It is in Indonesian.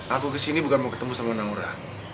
aku kesini bukan mau ketemu sama naura